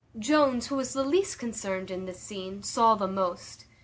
Jones, who was the least concerned in this scene, saw the most.